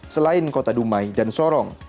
selain kota dumai dan sorong